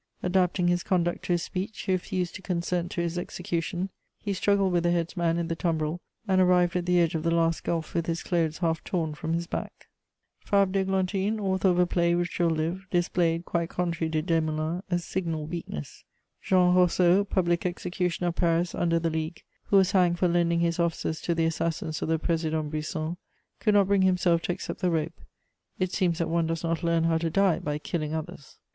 Adapting his conduct to his speech, he refused to consent to his execution; he struggled with the headsman in the tumbril, and arrived at the edge of the last gulf with his clothes half tom from his back. Fabre d'Églantine, author of a play which will live, displayed, quite contrary to Desmoulins, a signal weakness. Jean Roseau, public executioner of Paris under the League, who was hanged for lending his offices to the assassins of the Président Brisson, could not bring himself to accept the rope. It seems that one does not learn how to die by killing others.